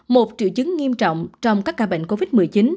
một triệu chứng nghiêm trọng trong các ca bệnh covid một mươi chín